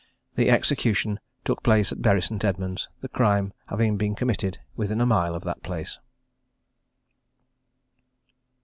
The execution took place at Bury St. Edmunds, the crime having been committed within a mile of that place.